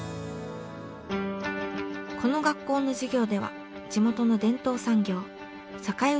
この学校の授業では地元の伝統産業堺打